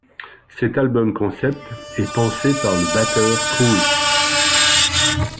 Cet album-concept est pensé par le batteur Truls.